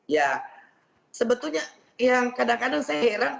ya sebetulnya yang kadang kadang saya heran